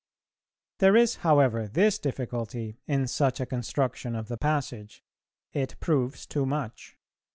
"There is, however, this difficulty in such a construction of the passage: it proves too much.